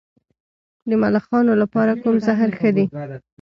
د ملخانو لپاره کوم زهر ښه دي؟